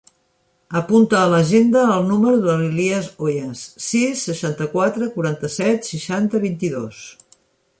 Apunta a l'agenda el número de l'Elías Hoyas: sis, seixanta-quatre, quaranta-set, seixanta, vint-i-dos.